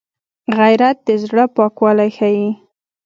غیرت د زړه پاکوالی ښيي